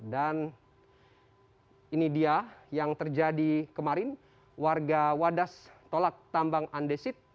dan ini dia yang terjadi kemarin warga wadas tolak tambang andesit